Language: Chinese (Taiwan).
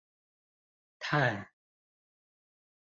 嘆⋯⋯